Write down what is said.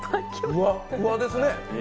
ふわっふわですね。